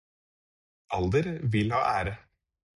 Alder vil ha ære.